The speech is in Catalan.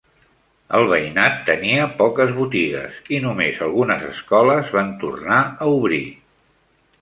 El veïnat tenia poques botigues i només algunes escoles van tornar a obrir.